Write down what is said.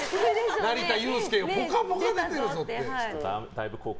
成田悠輔が「ぽかぽか」出てるぞって。